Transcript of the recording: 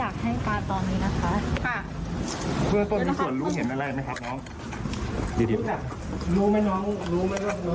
ก็ขอโทษด้วยกันแย่หรือไม่ดายคะ